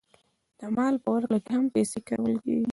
د مال په ورکړه کې هم پیسې کارول کېږي